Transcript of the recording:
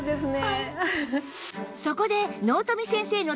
はい。